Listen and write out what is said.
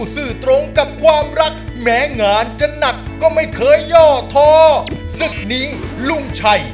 ซึ่งนี้ลุ้มชัย